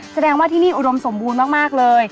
แสดงว่าที่นี่อุดมสมบูรณ์มากเลย